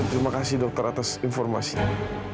terima kasih dokter atas informasinya